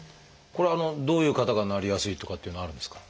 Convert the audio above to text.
これはどういう方がなりやすいとかっていうのはあるんですか？